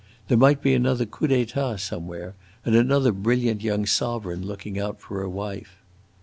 There might be another coup d'etat somewhere, and another brilliant young sovereign looking out for a wife!